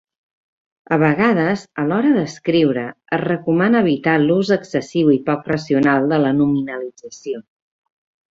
A vegades, a l'hora d'escriure es recomana evitar l'ús excessiu i poc racional de la nominalització.